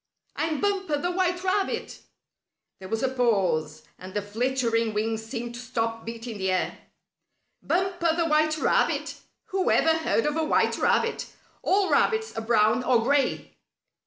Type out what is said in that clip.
"I'm Bumper, the white rabbit!" There was a pause, and the flittering wings seemed to stop beating the air. "Bumper, the white rabbit! Who ever heard of a white rabbit! All rabbits are brown or gray."